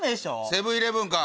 セブン−イレブンか？